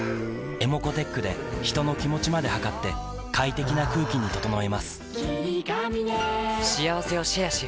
ｅｍｏｃｏーｔｅｃｈで人の気持ちまで測って快適な空気に整えます